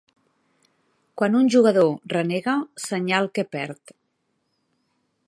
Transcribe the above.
Quan un jugador renega, senyal que perd.